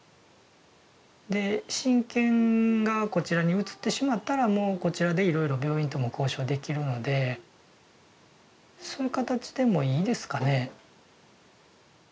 で親権がこちらに移ってしまったらもうこちらでいろいろ病院とも交渉できるのでそういう形でもいいですかね？